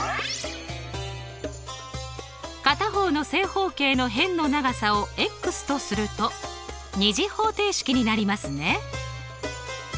片方の正方形の辺の長さをとすると２次方程式になりますね。